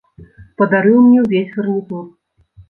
Падарыў мне ўвесь гарнітур.